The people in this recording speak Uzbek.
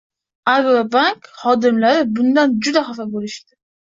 Agrobank xodimlari bundan juda xafa bo'lishdi